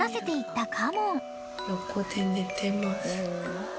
横で寝てます。